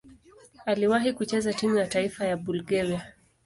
Aliwahi kucheza timu ya taifa ya Bulgaria.